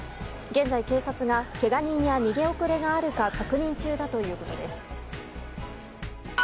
現在、警察がけが人や逃げ遅れがあるか確認中だということです。